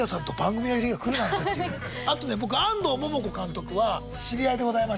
あとね僕安藤桃子監督は知り合いでございまして。